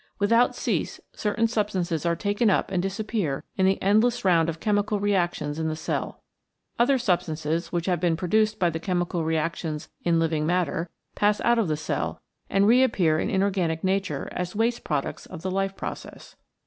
Without cease certain substances are taken up and disappear in the endless round of chemical reactions in the cell. Other substances which have been pro duced by the chemical reactions in living matter pass out of the cell and reappear in inorganic nature as waste products of the life process.